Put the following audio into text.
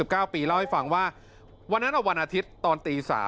๙ปีเล่าให้ฟังว่าวันนั้นวันอาทิตย์ตอนตี๓